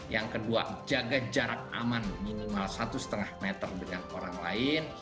yang kedua jaga jarak aman minimal satu lima meter dengan orang lain